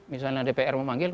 misalnya dpr memanggil